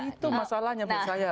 itu masalahnya menurut saya